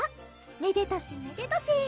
「めでたしめでたし」